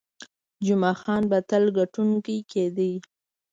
جمعه خان به تل ګټونکی کېده.